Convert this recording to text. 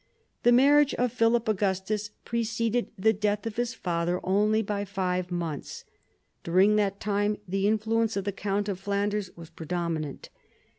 • The marriage of Philip Augustus preceded the death of his father only by five months. During that time the influence of the count of Flanders was predominant.